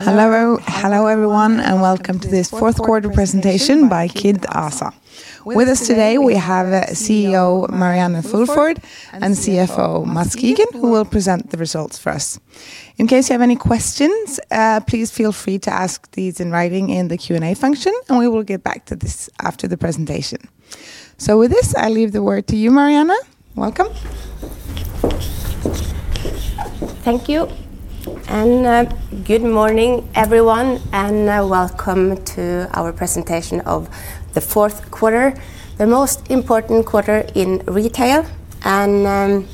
Hello, hello, everyone, and welcome to this fourth quarter presentation by Kid ASA. With us today, we have CEO Marianne Fulford and CFO Mads Kigen, who will present the results for us. In case you have any questions, please feel free to ask these in writing in the Q&A function, and we will get back to this after the presentation. So with this, I leave the word to you, Marianne. Welcome. Thank you. Good morning, everyone, and welcome to our presentation of the fourth quarter, the most important quarter in retail. I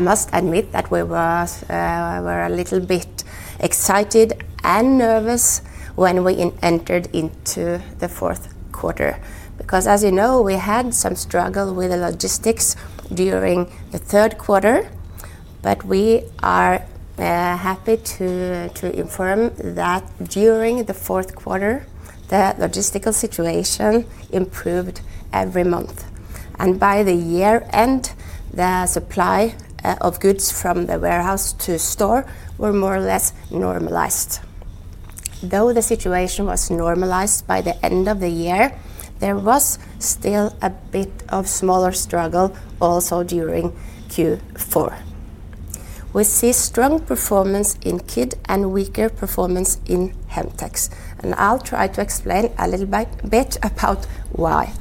must admit that we were a little bit excited and nervous when we entered into the fourth quarter. Because, as you know, we had some struggle with the logistics during the third quarter, but we are happy to inform that during the fourth quarter, the logistical situation improved every month, and by the year end, the supply of goods from the warehouse to store were more or less normalized. Though the situation was normalized by the end of the year, there was still a bit of smaller struggle also during Q4. We see strong performance in Kid and weaker performance in Hemtex, and I'll try to explain a little bit about why.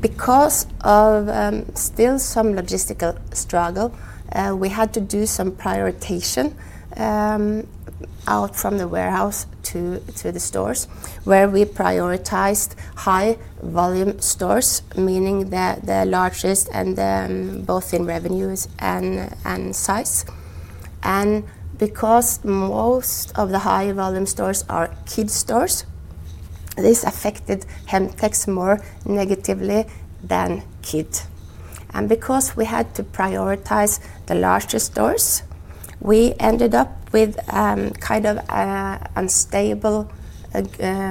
Because of still some logistical struggle, we had to do some prioritization out from the warehouse to the stores, where we prioritized high volume stores, meaning the largest and both in revenues and size. And because most of the high volume stores are Kid stores, this affected Hemtex more negatively than Kid. And because we had to prioritize the larger stores, we ended up with kind of a unstable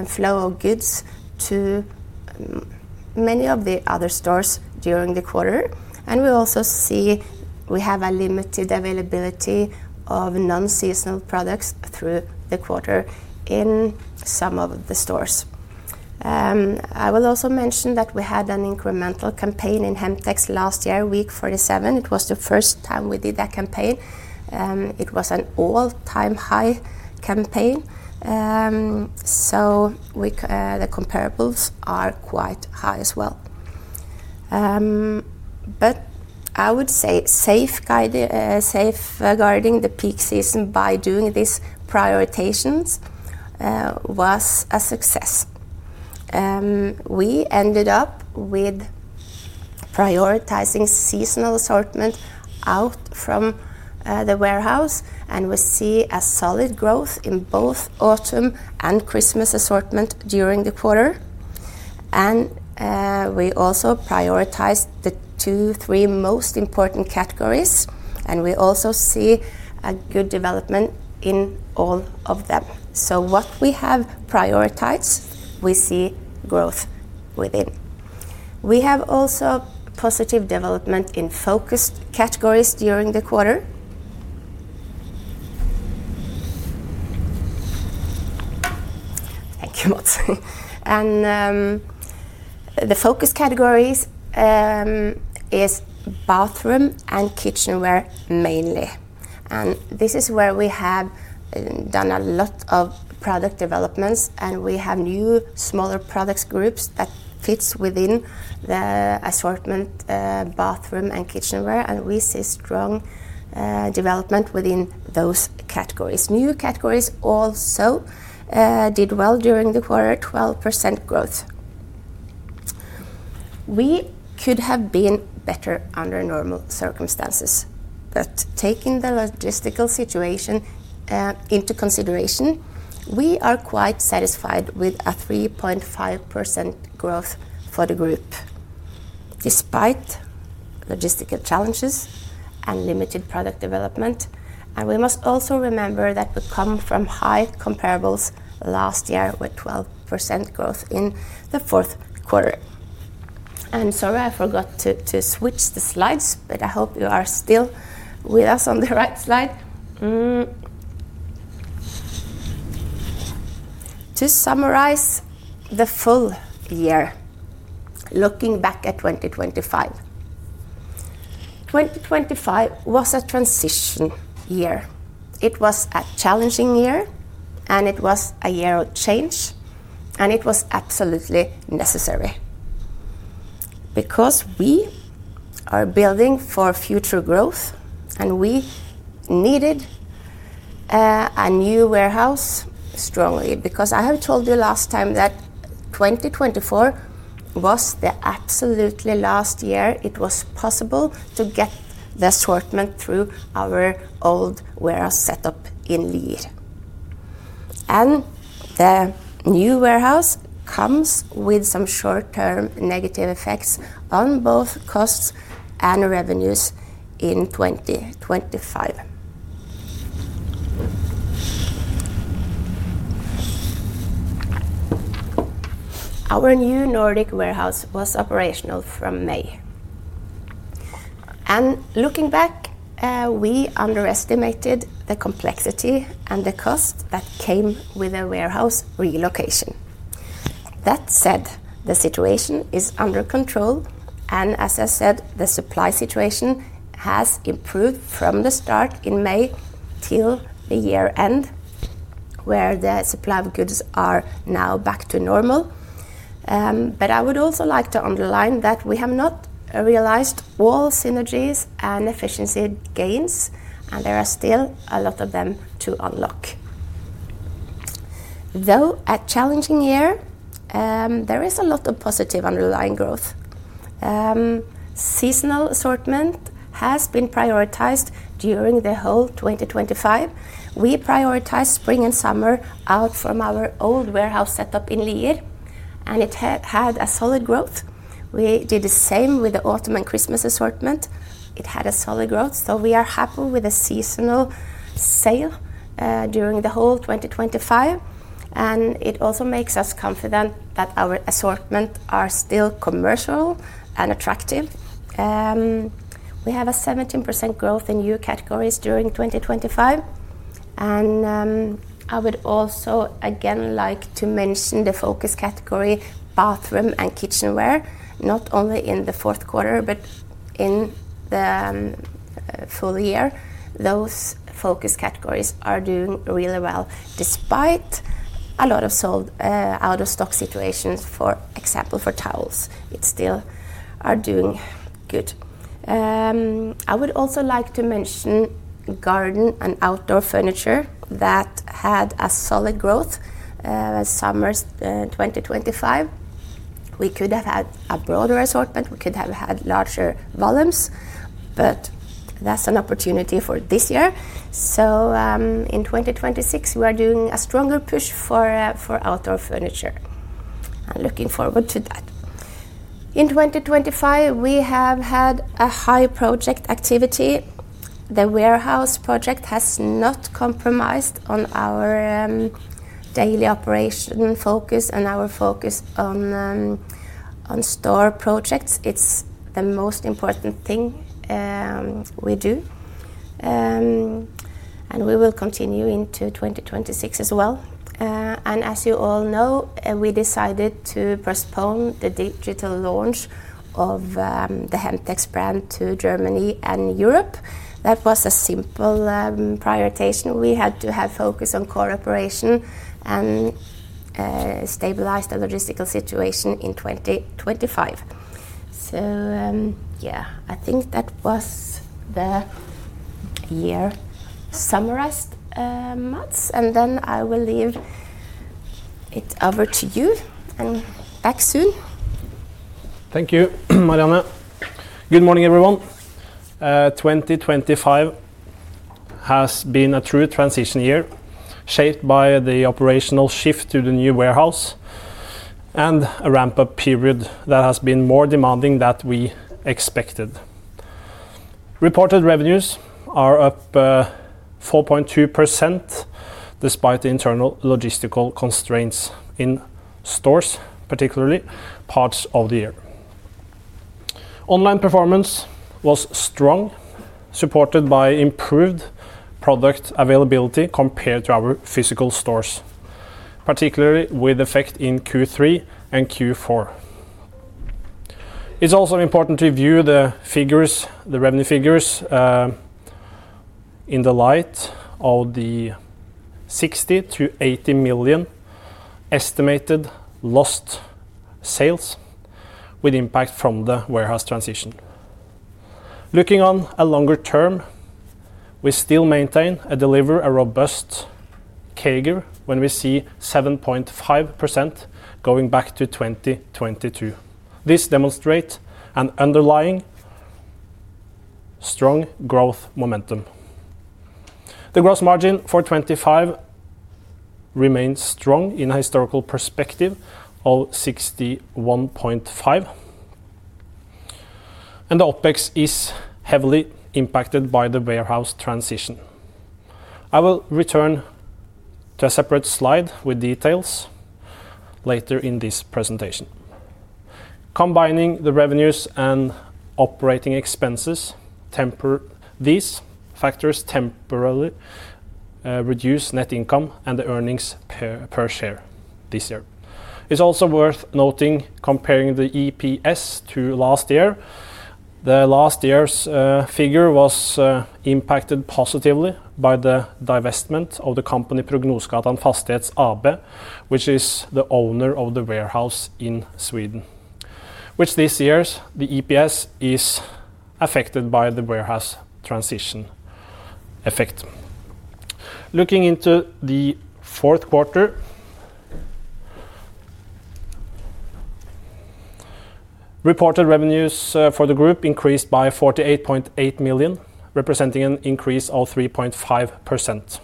flow of goods to many of the other stores during the quarter. And we also see we have a limited availability of non-seasonal products through the quarter in some of the stores. I will also mention that we had an incremental campaign in Hemtex last year, week 47. It was the first time we did a campaign. It was an all-time high campaign. So the comparables are quite high as well. But I would say safeguarding the peak season by doing these prioritizations was a success. We ended up with prioritizing seasonal assortment out from the warehouse, and we see a solid growth in both autumn and Christmas assortment during the quarter. And we also prioritized the 2, 3 most important categories, and we also see a good development in all of them. So what we have prioritized, we see growth within. We have also positive development in focus categories during the quarter. Thank you, Mads. And the focus categories is bathroom and kitchenware, mainly. This is where we have done a lot of product developments, and we have new, smaller products groups that fits within the assortment, bathroom and kitchenware, and we see strong development within those categories. New categories also did well during the quarter, 12% growth. We could have been better under normal circumstances, but taking the logistical situation into consideration, we are quite satisfied with a 3.5% growth for the group, despite logistical challenges and limited product development. And we must also remember that we come from high comparables last year, with 12% growth in the fourth quarter. I'm sorry, I forgot to switch the slides, but I hope you are still with us on the right slide. To summarize the full year, looking back at 2025. 2025 was a transition year. It was a challenging year, and it was a year of change, and it was absolutely necessary because we are building for future growth, and we needed a new warehouse strongly. Because I have told you last time that 2024 was the absolutely last year it was possible to get the assortment through our old warehouse setup in Lier. The new warehouse comes with some short-term negative effects on both costs and revenues in 2025. Our new Nordic warehouse was operational from May. And looking back, we underestimated the complexity and the cost that came with a warehouse relocation. That said, the situation is under control, and as I said, the supply situation has improved from the start in May till the year-end, where the supply of goods are now back to normal. But I would also like to underline that we have not realized all synergies and efficiency gains, and there are still a lot of them to unlock. Though, a challenging year, there is a lot of positive underlying growth. Seasonal assortment has been prioritized during the whole 2025. We prioritized spring and summer out from our old warehouse setup in Lier, and it had a solid growth. We did the same with the autumn and Christmas assortment. It had a solid growth, so we are happy with the seasonal sale during the whole 2025, and it also makes us confident that our assortment are still commercial and attractive. We have a 17% growth in new categories during 2025, and I would also again like to mention the focus category, bathroom and kitchenware, not only in the fourth quarter, but in the full year. Those focus categories are doing really well, despite a lot of sold out-of-stock situations, for example, for towels, it still are doing good. I would also like to mention garden and outdoor furniture that had a solid growth summer 2025. We could have had a broader assortment, we could have had larger volumes, but that's an opportunity for this year. So, in 2026, we are doing a stronger push for for outdoor furniture. I'm looking forward to that. In 2025, we have had a high project activity. The warehouse project has not compromised on our daily operation focus and our focus on store projects. It's the most important thing we do. And we will continue into 2026 as well. And as you all know, we decided to postpone the digital launch of the Hemtex brand to Germany and Europe. That was a simple prioritization. We had to have focus on core operation and stabilize the logistical situation in 2025. So yeah, I think that was the year summarized, Mads, and then I will leave it over to you, and back soon. Thank you, Marianne. Good morning, everyone. 2025 has been a true transition year, shaped by the operational shift to the new warehouse and a ramp-up period that has been more demanding than we expected. Reported revenues are up 4.2%, despite the internal logistical constraints in stores, particularly parts of the year. Online performance was strong, supported by improved product availability compared to our physical stores, particularly with effect in Q3 and Q4. It's also important to view the figures, the revenue figures, in the light of the 60-80 million estimated lost sales with impact from the warehouse transition. Looking on a longer term, we still maintain and deliver a robust CAGR when we see 7.5% going back to 2022. This demonstrate an underlying strong growth momentum. The gross margin for 2025 remains strong in a historical perspective of 61.5. The OpEx is heavily impacted by the warehouse transition. I will return to a separate slide with details later in this presentation. Combining the revenues and operating expenses temper these factors temporarily reduce net income and the earnings per share this year. It's also worth noting, comparing the EPS to last year, the last year's figure was impacted positively by the divestment of the company Propellgatan Fastigheter AB, which is the owner of the warehouse in Sweden, which this year's EPS is affected by the warehouse transition effect. Looking into the fourth quarter... Reported revenues for the group increased by 48.8 million, representing an increase of 3.5%.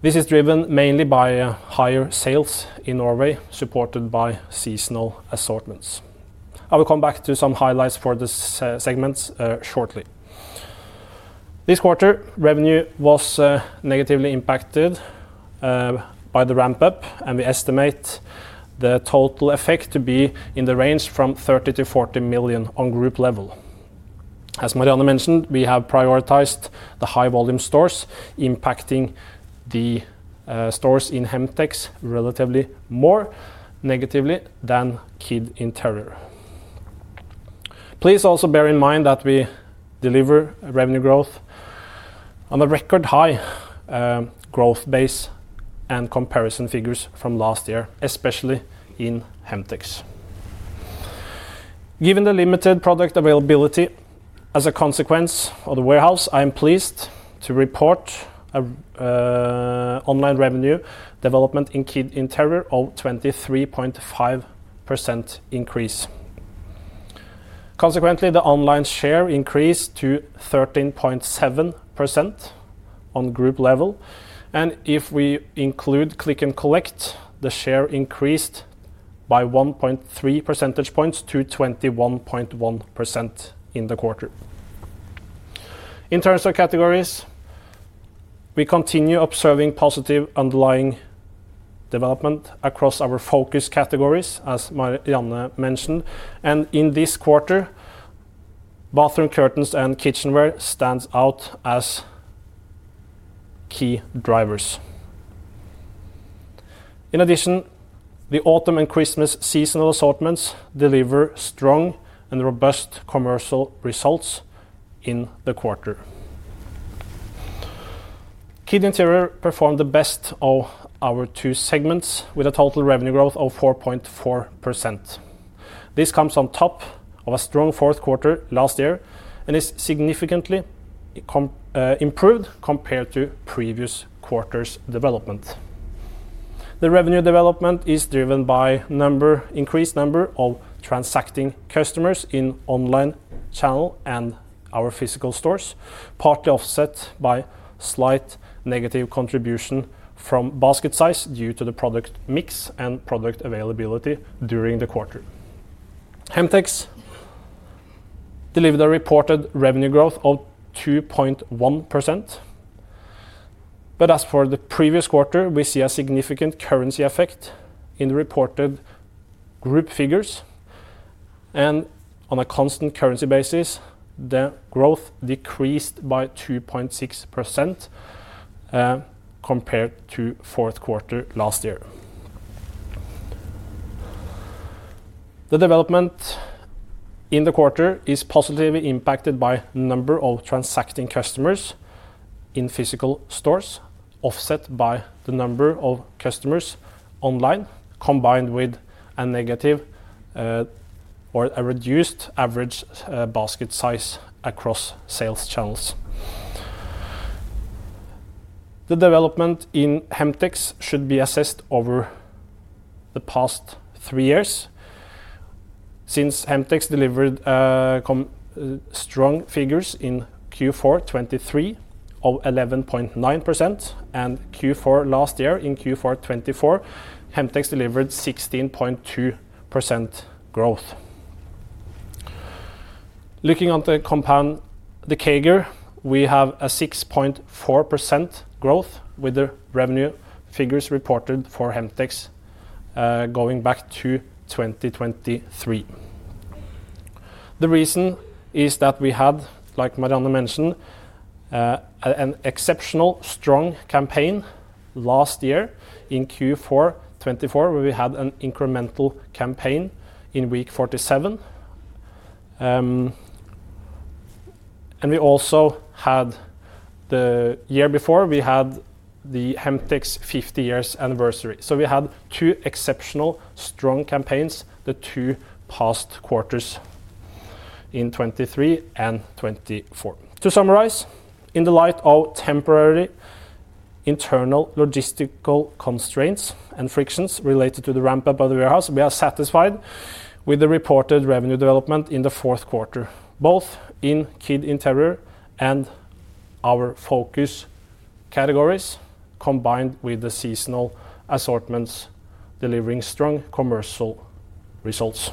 This is driven mainly by higher sales in Norway, supported by seasonal assortments. I will come back to some highlights for this segments shortly. This quarter, revenue was negatively impacted by the ramp-up, and we estimate the total effect to be in the range from 30 million-40 million on group level. As Marianne mentioned, we have prioritized the high-volume stores, impacting the stores in Hemtex relatively more negatively than Kid Interiør. Please also bear in mind that we deliver revenue growth on a record high growth base and comparison figures from last year, especially in Hemtex. Given the limited product availability as a consequence of the warehouse, I am pleased to report a online revenue development in Kid Interiør of 23.5% increase. Consequently, the online share increased to 13.7% on group level, and if we include Click and Collect, the share increased by 1.3 percentage points to 21.1% in the quarter. In terms of categories, we continue observing positive underlying development across our focus categories, as Marianne mentioned, and in this quarter, bathroom curtains and kitchenware stands out as key drivers. In addition, the autumn and Christmas seasonal assortments deliver strong and robust commercial results in the quarter. Kid Interiør performed the best of our two segments, with a total revenue growth of 4.4%. This comes on top of a strong fourth quarter last year and is significantly improved compared to previous quarter's development. The revenue development is driven by increased number of transacting customers in online channel and our physical stores, partly offset by slight negative contribution from basket size due to the product mix and product availability during the quarter. Hemtex delivered a reported revenue growth of 2.1%, but as for the previous quarter, we see a significant currency effect in the reported group figures, and on a constant currency basis, the growth decreased by 2.6%, compared to fourth quarter last year. The development in the quarter is positively impacted by number of transacting customers in physical stores, offset by the number of customers online, combined with a negative, or a reduced average, basket size across sales channels. The development in Hemtex should be assessed over the past three years, since Hemtex delivered, com... strong figures in Q4 2023 of 11.9% and Q4 last year, in Q4 2024, Hemtex delivered 16.2% growth. Looking at the compound, the CAGR, we have a 6.4% growth with the revenue figures reported for Hemtex, going back to 2023. The reason is that we had, like Marianne mentioned, an exceptional strong campaign last year in Q4 2024, where we had an incremental campaign in week 47. And we also had the year before, we had the Hemtex 50 years anniversary. So we had two exceptional strong campaigns, the two past quarters in 2023 and 2024. To summarize, in the light of temporary internal logistical constraints and frictions related to the ramp-up of the warehouse, we are satisfied with the reported revenue development in the fourth quarter, both in Kid Interiør and our focus categories, combined with the seasonal assortments delivering strong commercial results.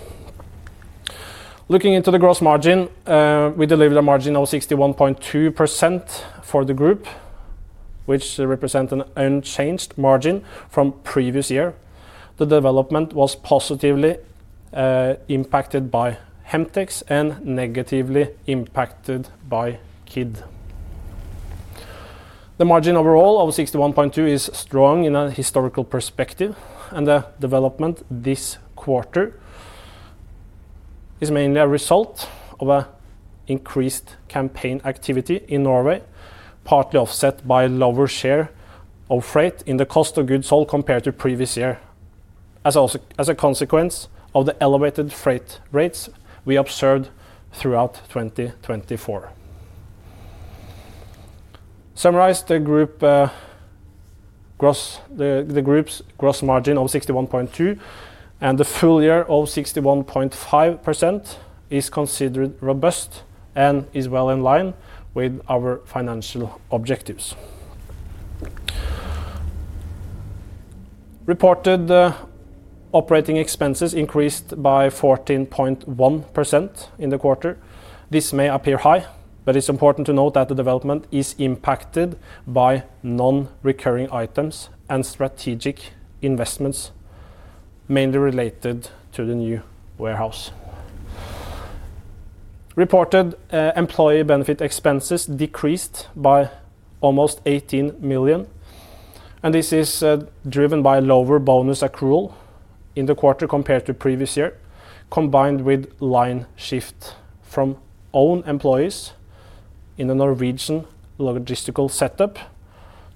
Looking into the gross margin, we delivered a margin of 61.2% for the group, which represent an unchanged margin from previous year. The development was positively impacted by Hemtex and negatively impacted by Kid. The margin overall of 61.2% is strong in a historical perspective, and the development this quarter is mainly a result of a increased campaign activity in Norway, partly offset by lower share of freight in the cost of goods sold compared to previous year, as a consequence of the elevated freight rates we observed throughout 2024. The group's gross margin of 61.2 and the full year of 61.5% is considered robust and is well in line with our financial objectives. Reported operating expenses increased by 14.1% in the quarter. This may appear high, but it's important to note that the development is impacted by non-recurring items and strategic investments, mainly related to the new warehouse. Reported employee benefit expenses decreased by almost 18 million, and this is driven by lower bonus accrual in the quarter compared to previous year, combined with line shift from own employees in the Norwegian logistical setup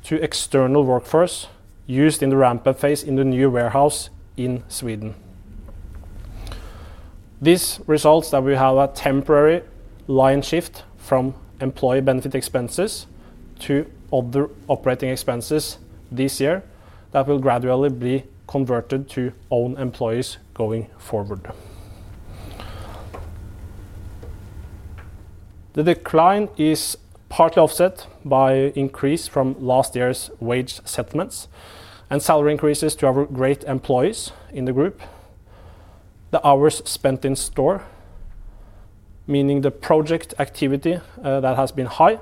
to external workforce used in the ramp-up phase in the new warehouse in Sweden. This results that we have a temporary line shift from employee benefit expenses to other operating expenses this year that will gradually be converted to own employees going forward. The decline is partly offset by increase from last year's wage settlements and salary increases to our great employees in the group. The hours spent in store, meaning the project activity, that has been high,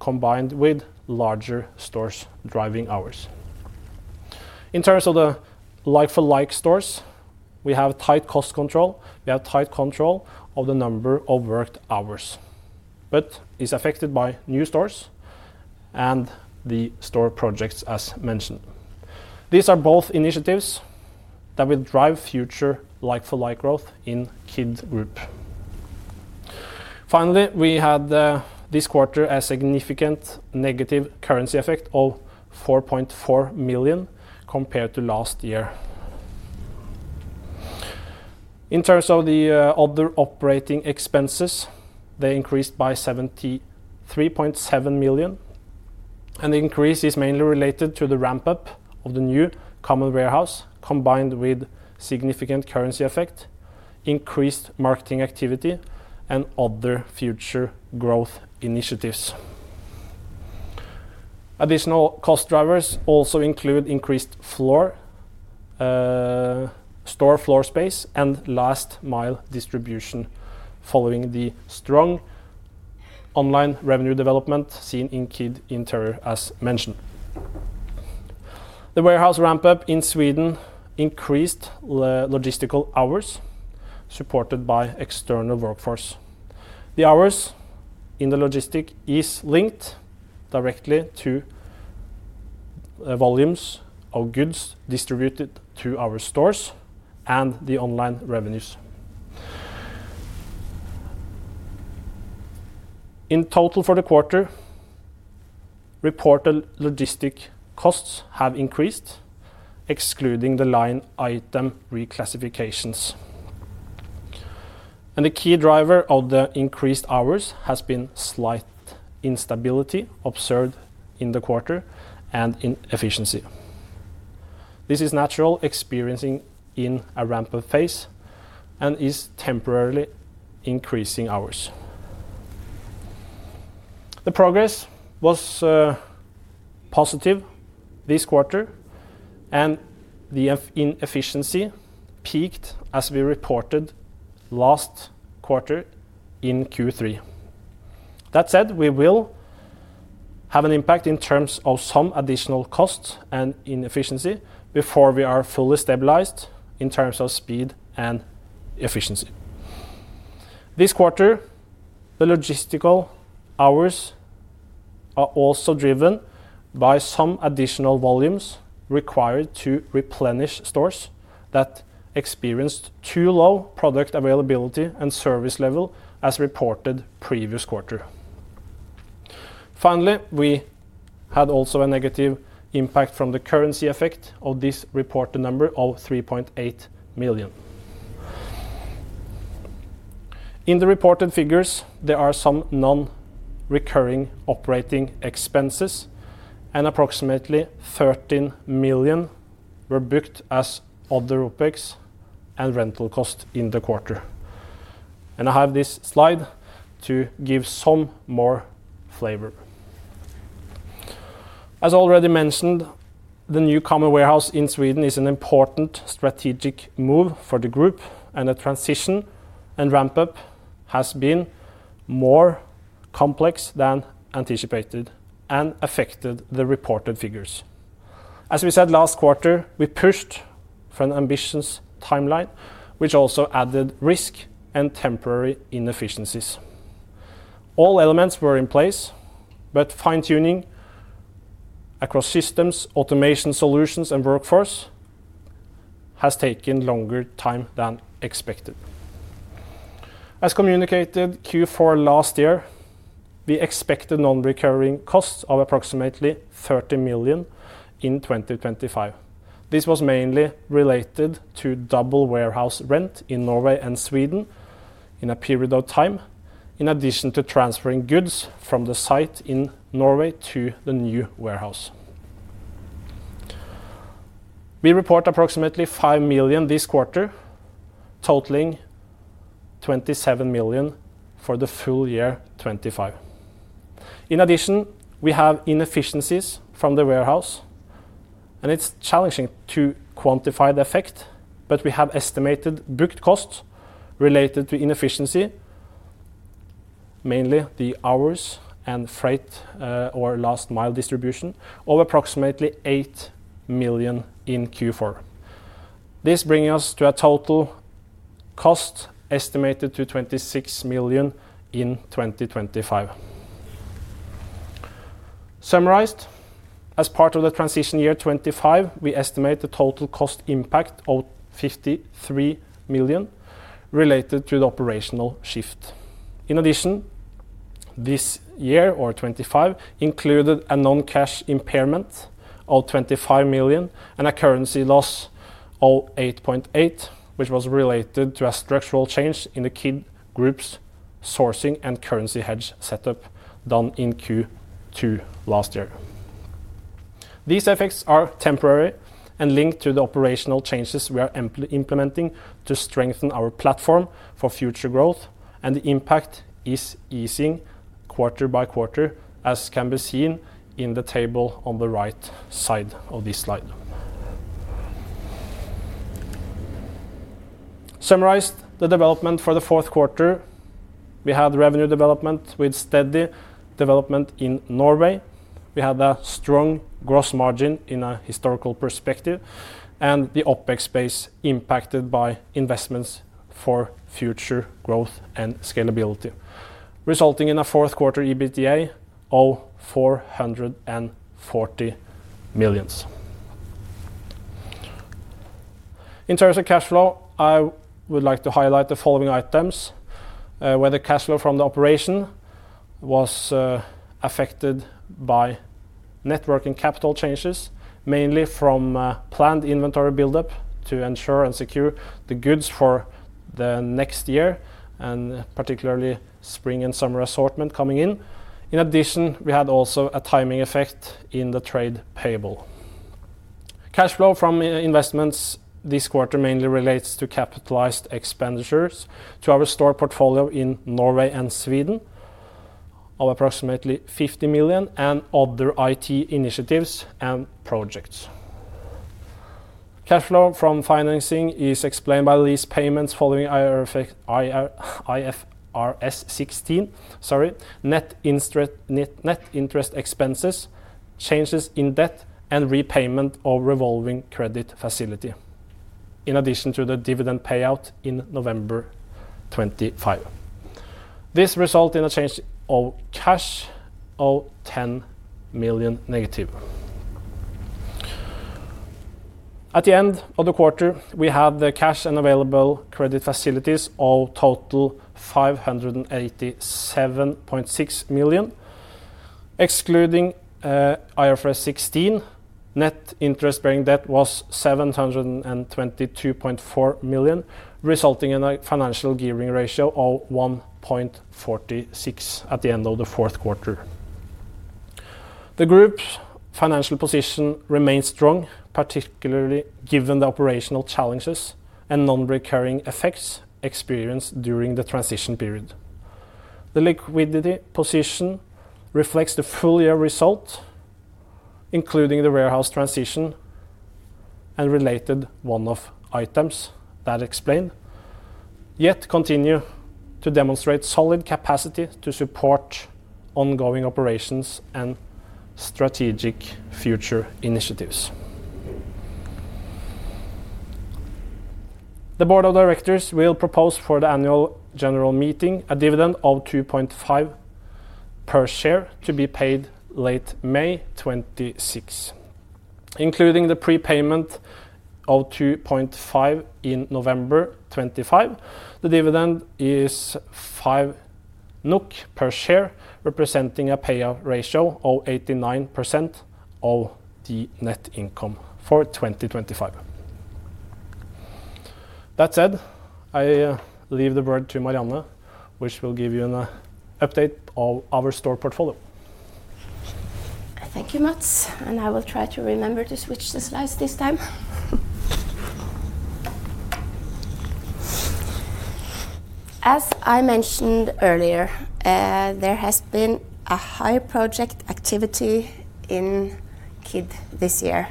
combined with larger stores driving hours. In terms of the like-for-like stores, we have tight cost control. We have tight control of the number of worked hours, but it's affected by new stores and the store projects, as mentioned. These are both initiatives that will drive future like-for-like growth in Kid Group. Finally, we had this quarter a significant negative currency effect of 4.4 million compared to last year. In terms of the other operating expenses, they increased by 73.7 million, and the increase is mainly related to the ramp-up of the new common warehouse, combined with significant currency effect, increased marketing activity, and other future growth initiatives. Additional cost drivers also include increased store floor space and last-mile distribution, following the strong online revenue development seen in Kid Interiør, as mentioned. The warehouse ramp-up in Sweden increased logistical hours, supported by external workforce. The hours in logistics are linked directly to volumes of goods distributed to our stores and the online revenues. In total for the quarter, reported logistics costs have increased, excluding the line item reclassifications. The key driver of the increased hours has been slight instability observed in the quarter and in efficiency. This is a natural experience in a ramp-up phase and is temporarily increasing hours. The progress was positive this quarter, and the inefficiency peaked as we reported last quarter in Q3. That said, we will have an impact in terms of some additional costs and inefficiency before we are fully stabilized in terms of speed and efficiency. This quarter, the logistical hours are also driven by some additional volumes required to replenish stores that experienced too low product availability and service level, as reported previous quarter. Finally, we had also a negative impact from the currency effect of this reported number of 3.8 million. In the reported figures, there are some non-recurring operating expenses, and approximately 13 million were booked as other OpEx and rental costs in the quarter. I have this slide to give some more flavor. As already mentioned, the new common warehouse in Sweden is an important strategic move for the group, and the transition and ramp-up has been more complex than anticipated and affected the reported figures. As we said last quarter, we pushed for an ambitious timeline, which also added risk and temporary inefficiencies. All elements were in place, but fine-tuning across systems, automation solutions, and workforce has taken longer time than expected. As communicated Q4 last year, we expected non-recurring costs of approximately 30 million in 2025. This was mainly related to double warehouse rent in Norway and Sweden in a period of time, in addition to transferring goods from the site in Norway to the new warehouse. We report approximately 5 million this quarter, totaling 27 million for the full year, 2025. In addition, we have inefficiencies from the warehouse, and it's challenging to quantify the effect, but we have estimated booked costs related to inefficiency, mainly the hours and freight, or last mile distribution, of approximately 8 million in Q4. This bringing us to a total cost estimated to 26 million in 2025. Summarized, as part of the transition year 2025, we estimate the total cost impact of 53 million related to the operational shift. In addition, this year, or 2025, included a non-cash impairment of 25 million and a currency loss of 8.8, which was related to a structural change in the Kid Group's sourcing and currency hedge setup done in Q2 last year. These effects are temporary and linked to the operational changes we are implementing to strengthen our platform for future growth, and the impact is easing quarter by quarter, as can be seen in the table on the right side of this slide. Summarized, the development for the fourth quarter, we had revenue development with steady development in Norway. We had a strong gross margin in a historical perspective, and the OpEx base impacted by investments for future growth and scalability, resulting in a fourth quarter EBITDA of 440 million. In terms of cash flow, I would like to highlight the following items, where the cash flow from the operation was affected by net working capital changes, mainly from planned inventory buildup to ensure and secure the goods for the next year, and particularly spring and summer assortment coming in. In addition, we had also a timing effect in the trade payable. Cash flow from investments this quarter mainly relates to capitalized expenditures to our store portfolio in Norway and Sweden of approximately 50 million and other IT initiatives and projects. Cash flow from financing is explained by lease payments following IFRS 16, sorry, net interest expenses, changes in debt, and repayment of revolving credit facility, in addition to the dividend payout in November 2025. This result in a change of cash of -NOK 10 million. At the end of the quarter, we have the cash and available credit facilities of total 587.6 million. Excluding IFRS 16, net interest-bearing debt was 722.4 million, resulting in a financial gearing ratio of 1.46 at the end of the fourth quarter. The group's financial position remains strong, particularly given the operational challenges and non-recurring effects experienced during the transition period. The liquidity position reflects the full year result, including the warehouse transition and related one-off items that explain, yet continue to demonstrate solid capacity to support ongoing operations and strategic future initiatives. The board of directors will propose for the annual general meeting, a dividend of 2.5 NOK per share to be paid late May 2026. Including the prepayment of 2.5 in November 2025, the dividend is 5 NOK per share, representing a payout ratio of 89% of the net income for 2025. That said, I leave the word to Marianne, which will give you an update of our store portfolio. Thank you, Mads, and I will try to remember to switch the slides this time. As I mentioned earlier, there has been a high project activity in Kid this year,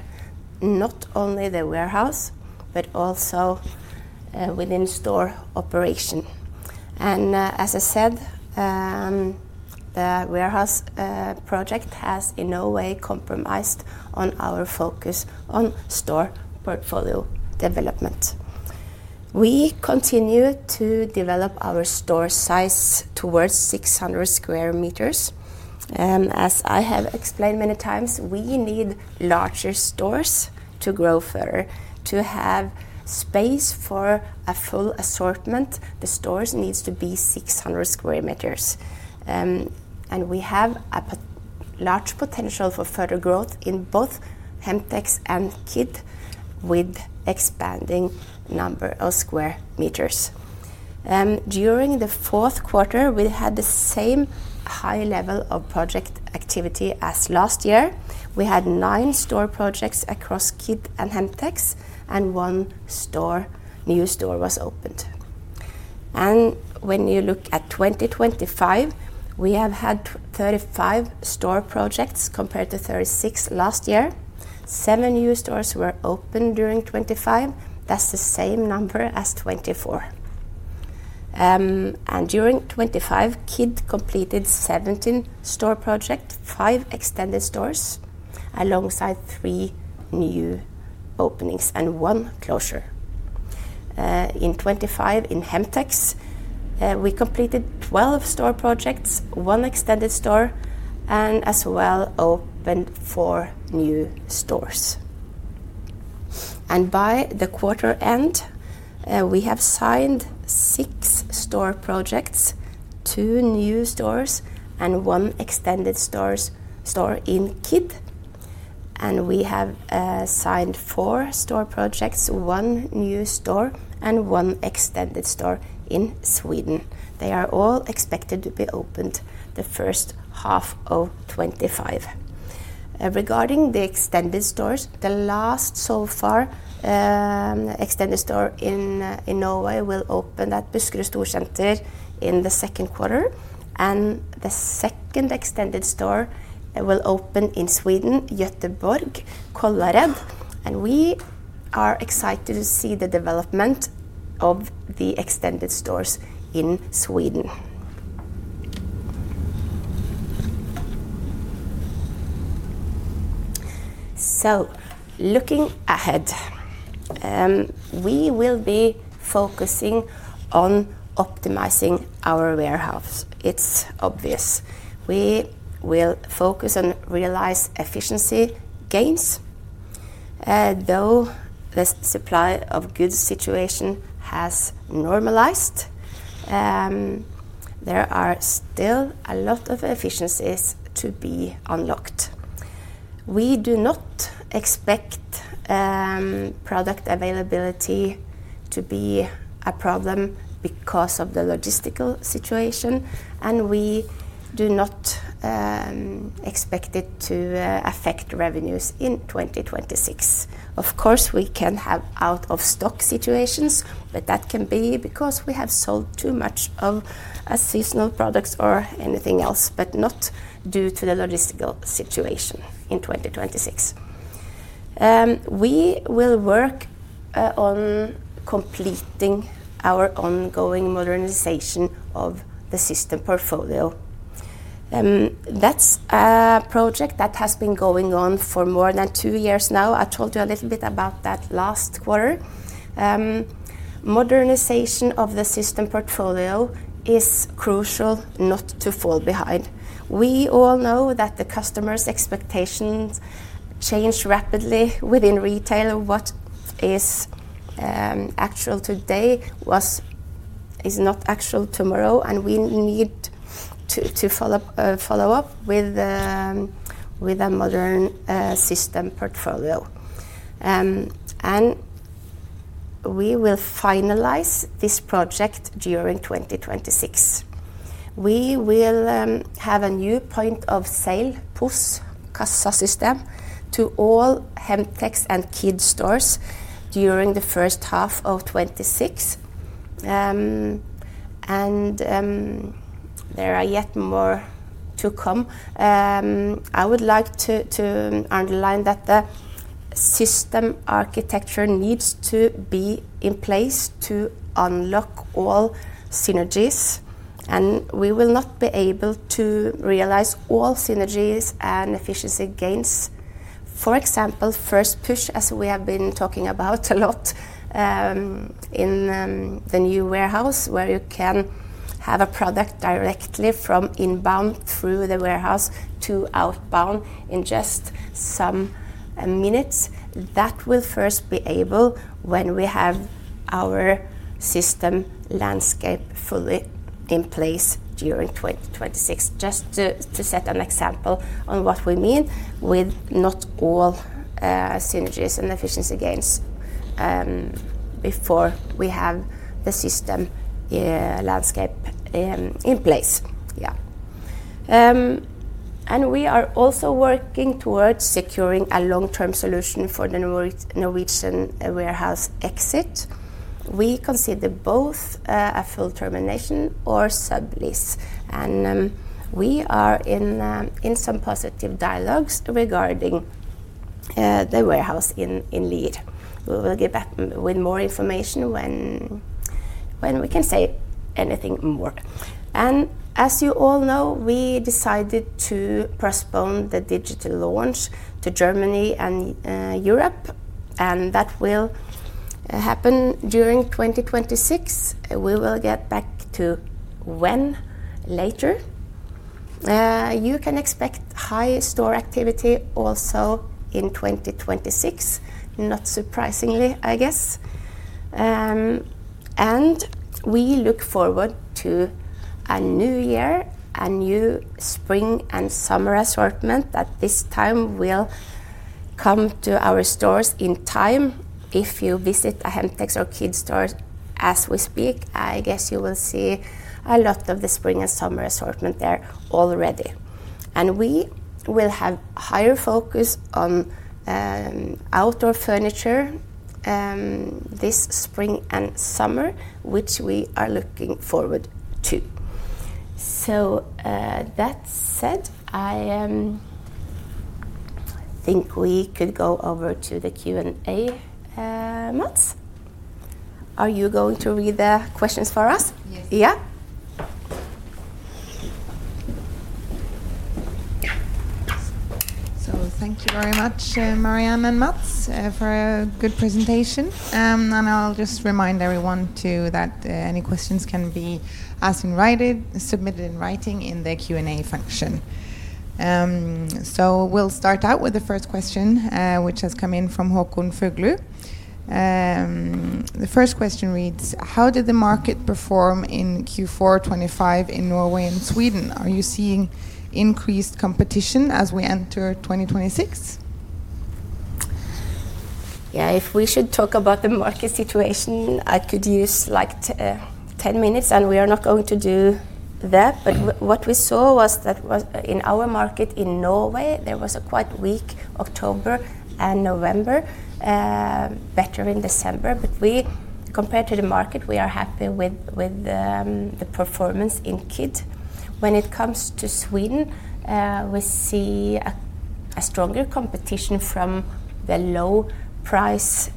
not only the warehouse, but also within store operation. As I said, the warehouse project has in no way compromised on our focus on store portfolio development. We continue to develop our store size towards 600 square meters. As I have explained many times, we need larger stores to grow further. To have space for a full assortment, the stores needs to be 600 square meters. And we have a large potential for further growth in both Hemtex and Kid with expanding number of square meters. During the fourth quarter, we had the same high level of project activity as last year. We had nine store projects across Kid and Hemtex, and one new store was opened. And when you look at 2025, we have had 35 store projects compared to 36 last year. Seven new stores were opened during 2025. That's the same number as 2024. And during 2025, Kid completed 17 store project, five extended stores, alongside three new openings and one closure. In 2025, in Hemtex, we completed 12 store projects, one extended store, and as well opened four new stores. And by the quarter end, we have signed six store projects, two new stores, and one extended store in Kid. And we have signed four store projects, one new store and one extended store in Sweden. They are all expected to be opened the first half of 2025. Regarding the extended stores, the last, so far, extended store in Norway will open at Buskerud Storsenter in the second quarter, and the second extended store will open in Sweden, Göteborg, Kållered, and we are excited to see the development of the extended stores in Sweden. Looking ahead, we will be focusing on optimizing our warehouse. It's obvious. We will focus on realize efficiency gains, though the supply of goods situation has normalized, there are still a lot of efficiencies to be unlocked. We do not expect product availability to be a problem because of the logistical situation, and we do not expect it to affect revenues in 2026. Of course, we can have out-of-stock situations, but that can be because we have sold too much of a seasonal products or anything else, but not due to the logistical situation in 2026. We will work on completing our ongoing modernization of the system portfolio. That's a project that has been going on for more than two years now. I told you a little bit about that last quarter. Modernization of the system portfolio is crucial not to fall behind. We all know that the customers' expectations change rapidly within retail. What is actual today is not actual tomorrow, and we need to follow up with a modern system portfolio. And we will finalize this project during 2026. We will have a new point of sale, POS, kassa system, to all Hemtex and Kid stores during the first half of 2026. There are yet more to come. I would like to underline that the system architecture needs to be in place to unlock all synergies, and we will not be able to realize all synergies and efficiency gains. For example, first push, as we have been talking about a lot, in the new warehouse, where you can have a product directly from inbound through the warehouse to outbound in just some minutes. That will first be able when we have our system landscape fully in place during 2026, just to set an example on what we mean with not all synergies and efficiency gains before we have the system landscape in place. Yeah. We are also working towards securing a long-term solution for the Norwegian warehouse exit. We consider both a full termination or sublease, and we are in some positive dialogues regarding the warehouse in Lier. We will get back with more information when we can say anything more. As you all know, we decided to postpone the digital launch to Germany and Europe, and that will happen during 2026. We will get back to when later. You can expect high store activity also in 2026, not surprisingly, I guess. We look forward to a new year, a new spring and summer assortment that this time will come to our stores in time. If you visit a Hemtex or Kid store as we speak, I guess you will see a lot of the spring and summer assortment there already, and we will have higher focus on outdoor furniture this spring and summer, which we are looking forward to. So, that said, I think we could go over to the Q&A, Mads. Are you going to read the questions for us? Yes. Yeah. So thank you very much, Marianne and Mads, for a good presentation. And I'll just remind everyone, too, that any questions can be asked in writing, submitted in writing in the Q&A function. So we'll start out with the first question, which has come in from Håkon Fuglu. The first question reads: How did the market perform in Q4 2025 in Norway and Sweden? Are you seeing increased competition as we enter 2026? Yeah, if we should talk about the market situation, I could use, like, 10 minutes, and we are not going to do that. But what we saw was that. In our market in Norway, there was a quite weak October and November, better in December. But we, compared to the market, we are happy with the performance in Kid. When it comes to Sweden, we see a stronger competition from the low price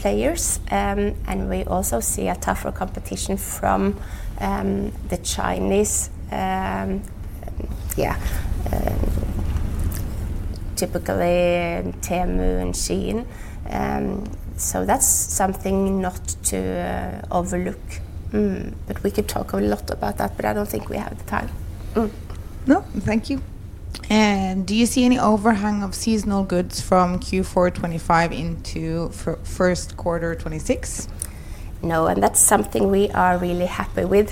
players. And we also see a tougher competition from the Chinese, yeah, typically Temu and SHEIN. So that's something not to overlook. Mm, but we could talk a lot about that, but I don't think we have the time. Mm. No, thank you. And do you see any overhang of seasonal goods from Q4 2025 into first quarter 2026? No, and that's something we are really happy with.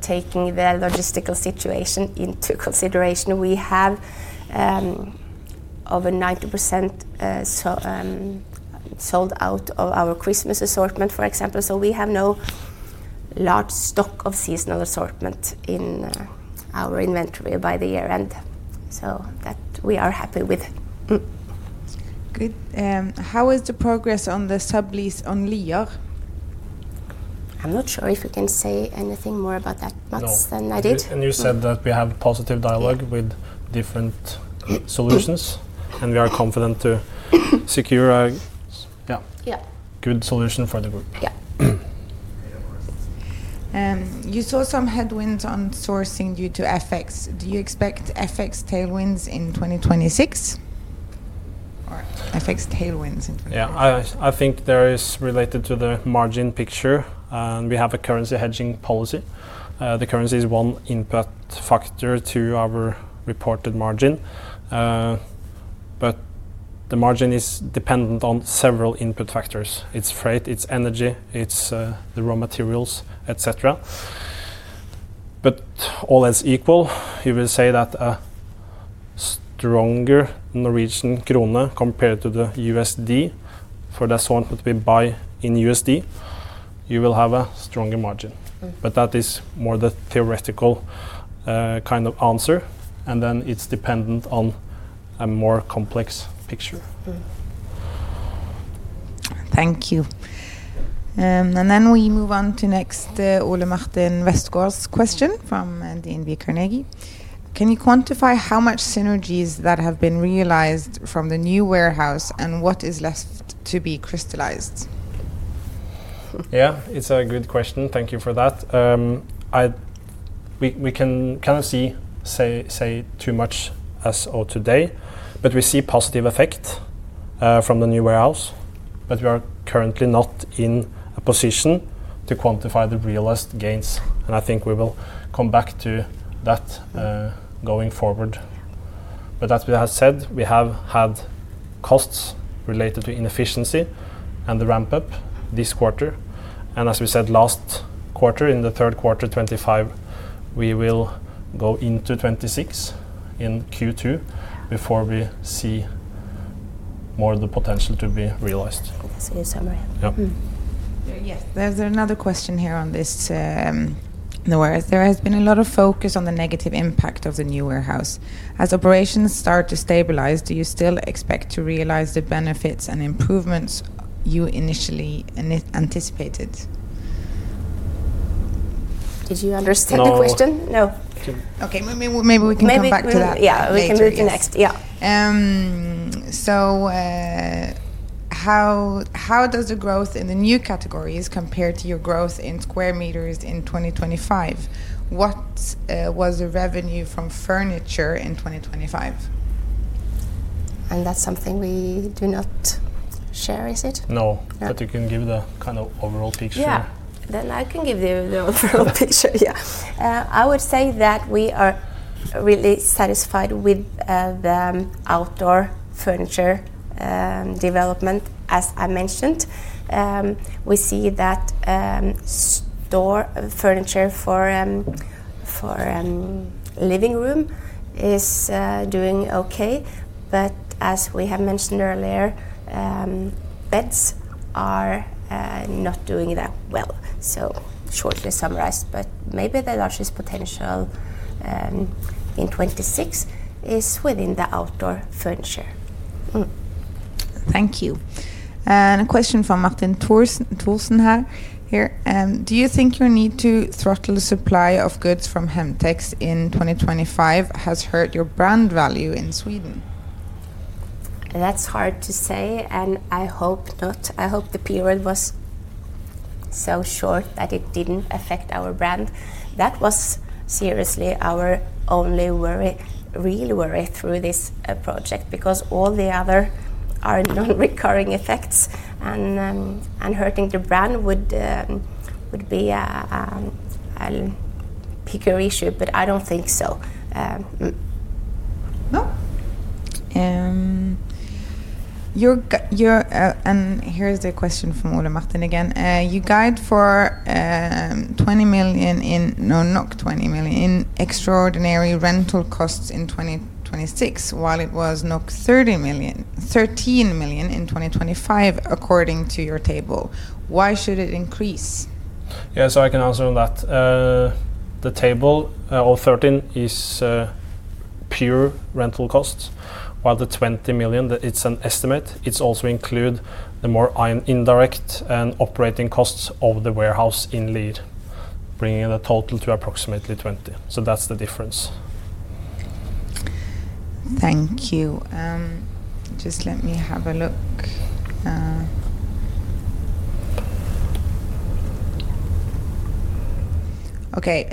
Taking the logistical situation into consideration, we have over 90% sold out of our Christmas assortment, for example. So we have no large stock of seasonal assortment in our inventory by the year end, so that we are happy with. Mm. Good. How is the progress on the sublease on Lier? I'm not sure if we can say anything more about that, Mads, than I did. No. And you said that we have positive dialogue with different solutions, and we are confident to secure a... Yeah. Yeah. Good solution for the group. Yeah. You saw some headwinds on sourcing due to FX. Do you expect FX tailwinds in 2026, or FX tailwinds in 2026? Yeah, I think there is related to the margin picture, and we have a currency hedging policy. The currency is one input factor to our reported margin. But the margin is dependent on several input factors; it's freight, it's energy, it's the raw materials, et cetera. But all else equal, you will say that a stronger Norwegian krone compared to the USD, for the assortment would be buy in USD, you will have a stronger margin. Mm. But that is more the theoretical, kind of answer, and then it's dependent on a more complex picture. Thank you. Then we move on to next, Ole Martin Westgaard's question from DNB Markets. Can you quantify how much synergies that have been realized from the new warehouse, and what is left to be crystallized? Yeah, it's a good question. Thank you for that. We can't kind of say too much as of today, but we see positive effect from the new warehouse. But we are currently not in a position to quantify the realized gains, and I think we will come back to that going forward. But as we have said, we have had costs related to inefficiency and the ramp-up this quarter, and as we said last quarter, in the third quarter 2025, we will go into 2026 in Q2 before we see more of the potential to be realized. Yes, good summary. Yep. Mm. Yeah. There's another question here on this, note. There has been a lot of focus on the negative impact of the new warehouse. As operations start to stabilize, do you still expect to realize the benefits and improvements you initially anticipated? Did you understand the question? No. No. Okay, maybe, maybe we can come back to that- Maybe we-... later. Yeah, we can move to next. Yeah. So, how does the growth in the new categories compare to your growth in square meters in 2025? What was the revenue from furniture in 2025? That's something we do not share, is it? No. No. But you can give the kind of overall picture. Yeah. Then I can give the overall picture, yeah. I would say that we are really satisfied with the outdoor furniture development, as I mentioned. We see that store furniture for living room is doing okay. But as we have mentioned earlier, beds are not doing that well. So shortly summarized, but maybe the largest potential in 2026 is within the outdoor furniture. Thank you. And a question from Martin Tonseth here, here: Do you think your need to throttle the supply of goods from Hemtex in 2025 has hurt your brand value in Sweden? That's hard to say, and I hope not. I hope the period was so short that it didn't affect our brand. That was seriously our only worry, real worry through this project, because all the other are non-recurring effects, and hurting the brand would be a bigger issue, but I don't think so. No? You're... Here is the question from Ole Martin again: You guide for 20 million. No, 20 million in extraordinary rental costs in 2026, while it was 30 million - 13 million in 2025, according to your table. Why should it increase? Yeah, so I can answer on that. The table, 13 million is pure rental costs, while the 20 million, It's an estimate. It's also include the more indirect and operating costs of the warehouse in Lier, bringing the total to approximately 20 million. So that's the difference. Thank you. Okay,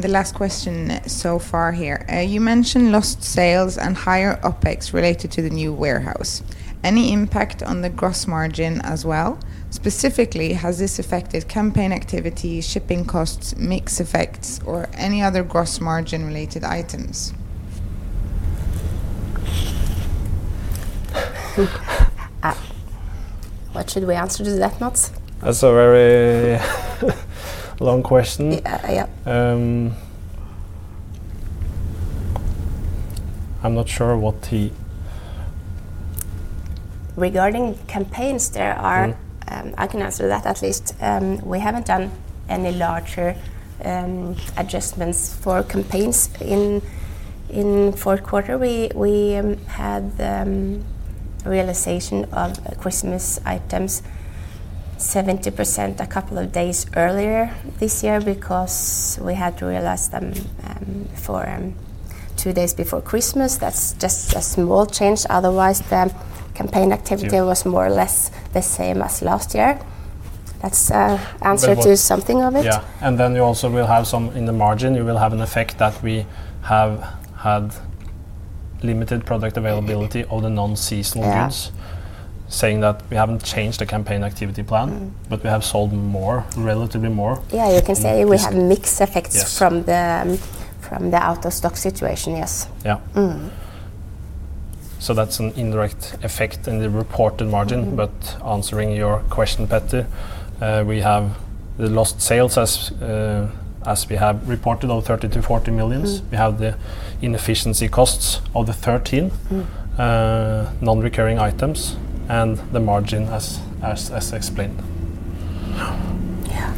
the last question so far here: you mentioned lost sales and higher OpEx related to the new warehouse. Any impact on the gross margin as well? Specifically, has this affected campaign activity, shipping costs, mix effects, or any other gross margin-related items? What should we answer to that, Mads? That's a very long question. Yeah, yeah. I'm not sure what the- Regarding campaigns, there are- Mm-hmm. I can answer that, at least. We haven't done any larger adjustments for campaigns. In fourth quarter, we had realization of Christmas items 70% a couple of days earlier this year, because we had to realize them for two days before Christmas. That's just a small change. Otherwise, the campaign activity- Yeah... was more or less the same as last year. That's an answer- But what-... to something of it. Yeah, and then you also will have some... In the margin, you will have an effect that we have had limited product availability of the non-seasonal goods. Yeah. Saying that, we haven't changed the campaign activity plan- Mm. but we have sold more, relatively more. Yeah, you can say- W- this- We have mix effects. Yes... from the out-of-stock situation, yes. Yeah. Mm. So that's an indirect effect in the reported margin. Mm. But answering your question, Petter, we have the lost sales as we have reported, of 30 million-40 million. Mm. We have the inefficiency costs of the 13- Mm... non-recurring items, and the margin as explained. Yeah.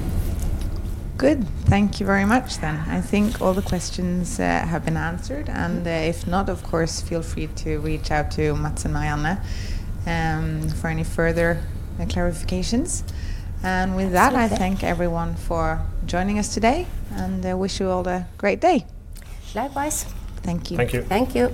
Good. Thank you very much, then. I think all the questions have been answered, and- Mm... if not, of course, feel free to reach out to Mads and I, Marianne, for any further clarifications. With that- Perfect... I thank everyone for joining us today, and I wish you all a great day. Likewise. Thank you. Thank you. Thank you!